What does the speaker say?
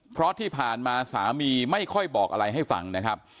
เพราะที่ผ่านมาสามีไม่ค่อยบอกอะไรให้ฟังนะครับ